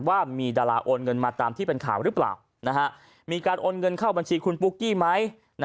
ว่ามีดาราโอนเงินมาตามที่เป็นข่าวหรือเปล่ามีการโอนเงินเข้าบัญชีคุณปุ๊กกี้ไหม